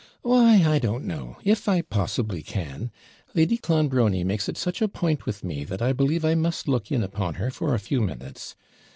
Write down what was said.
'Why, I don't know if I possibly can. Lady Clonbrony makes it such a point with me, that I believe I must look in upon her for a few minutes.